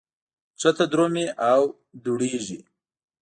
ښکته درومي او دوړېږي.